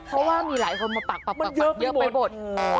เพราะว่ามีหลายคนเปลี่ยนมาปากเยอะไปบท